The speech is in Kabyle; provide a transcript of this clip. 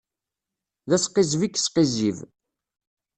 D asqizzeb i yesqizzib.